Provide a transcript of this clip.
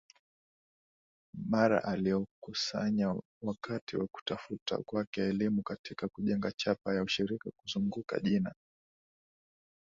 maarifa aliyokusanya wakati wa kutafuta kwake elimu katika kujenga chapa ya ushirika kuzunguka jina